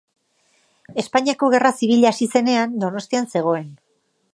Espainiako Gerra Zibila hasi zenean, Donostian zegoen.